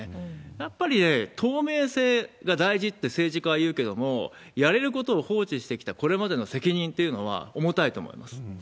やっぱり透明性が大事って、政治家は言うけれども、やれることを放置してきたこれまでの責任っていうのは重たいと思います。